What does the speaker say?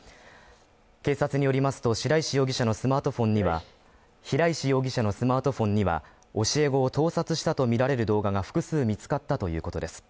警察によりますと平石容疑者のスマートフォンには、教え子を盗撮したとみられる動画が複数見つかったということです。